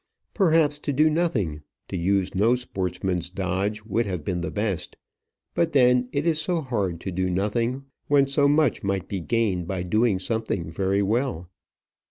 Perhaps to do nothing, to use no sportsman's dodge would have been the best. But then it is so hard to do nothing when so much might be gained by doing something very well.